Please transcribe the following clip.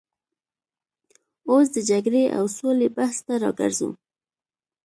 اوس د جګړې او سولې بحث ته راګرځو.